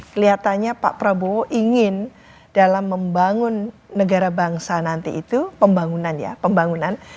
kelihatannya pak prabowo ingin dalam membangun negara bangsa nanti itu pembangunannya pembangunan